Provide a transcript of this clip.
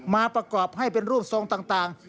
มาประกอบให้เป็นรูปทรงต่าง